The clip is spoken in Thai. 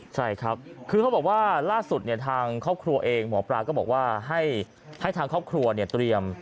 ใช่ครับคือเขาบอกว่าล่าสุดเนี่ยทางครอบครัวเองหมอปลาก็บอกว่าให้ทางครอบครัวเนี่ยเตรียม